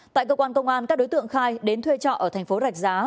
tại cơ quan công an các đối tượng khai đến thuê trọ ở tp rạch giá